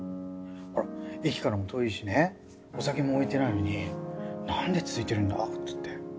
ほら駅からも遠いしねお酒も置いてないのになんで続いてるんだろうつって。